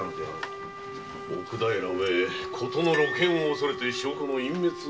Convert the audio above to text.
奥平め事の露見を恐れて証拠の隠滅を？